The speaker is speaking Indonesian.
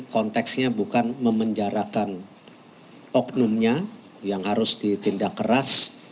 konteksnya bukan memenjarakan oknumnya yang harus ditindak keras